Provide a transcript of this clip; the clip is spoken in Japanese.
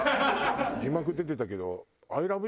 字幕出てたけど。